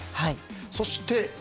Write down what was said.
そして、Ｂ。